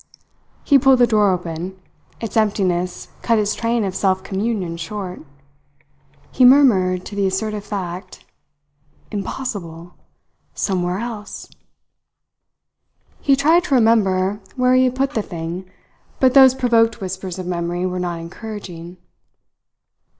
He pulled the drawer open. Its emptiness cut his train of self communion short. He murmured to the assertive fact: "Impossible! Somewhere else!" He tried to remember where he had put the thing; but those provoked whispers of memory were not encouraging.